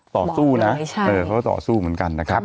ต่อสู้นะเขาก็ต่อสู้เหมือนกันนะครับ